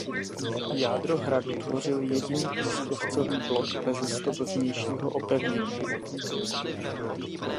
Jádro hradu tvořil jediný pískovcový blok beze stop vnějšího opevnění.